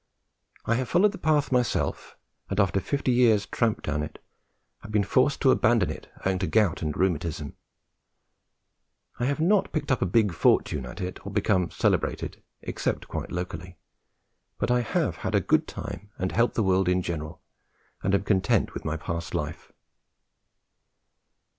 I have followed the path myself, and, after fifty years' tramp down it, have been forced to abandon it owing to gout and rheumatism. I have not picked up a big fortune at it, or become celebrated, except quite locally; but I have had a good time and helped the world in general, and am content with my past life.